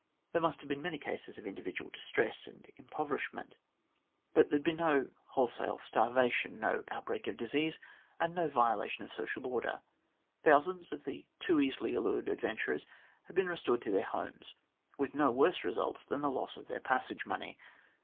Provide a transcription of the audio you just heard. There must have been many cases of individual distress and impoverishment, but there had been no whole THE HOST OF DISAPPOINTED DIGGEKS 121 sale starvation, no outbreak of disease, and no violation of social order. Thousands of the too easily allured adventurers had been restored to their homes with no worse results than the loss of their passage money.